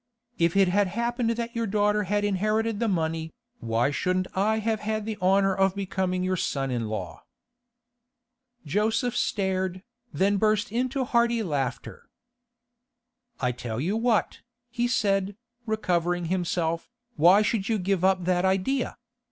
If it had happened that your daughter had inherited the money, why shouldn't I have had the honour of becoming your son in law?' Joseph stared, then burst into hearty laughter. 'I tell you what,' he said, recovering himself, 'why should you give up that idea?